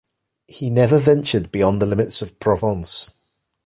He never ventured beyond the limits of Provence.